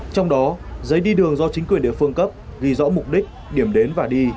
trong đó giấy đi đường do chính quyền địa phương cấp ghi rõ mục đích điểm đến và đi